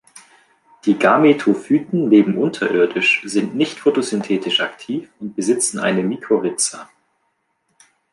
Die Gametophyten leben unterirdisch, sind nicht photosynthetisch aktiv und besitzen eine Mykorrhiza.